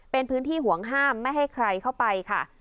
เป็นพื้นที่ห่วงห้ามไม่ให้ใครเข้าไปค่ะ